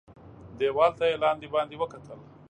دېوال ته یې لاندي باندي وکتل .